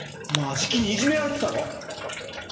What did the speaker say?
食にいじめられてたろ？